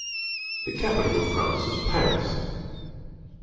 The capital of France is Paris.